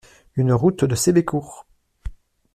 un route de Sébécourt